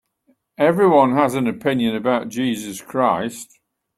Everyone has an opinion about Jesus Christ.